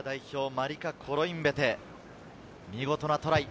マリカ・コロインベテ、見事なトライ。